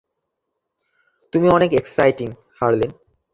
তুমি অনেক এক্সাইটিং, হারলিন!